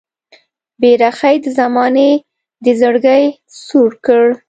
بې رخۍ د زمانې دې زړګی سوړ کړ